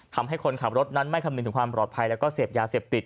ทำให้คนขับรถนั้นไม่คำนึงถึงความปลอดภัยแล้วก็เสพยาเสพติด